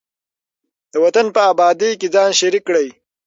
د وطن په ابادۍ کې ځان شریک کړئ.